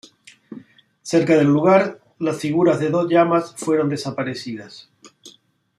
Cerca del lugar, las figuras de dos llamas fueron desaparecidas.